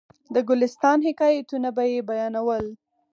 د ګلستان حکایتونه به یې بیانول.